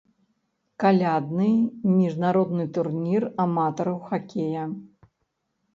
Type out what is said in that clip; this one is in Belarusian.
Калядны міжнародны турнір аматараў хакея.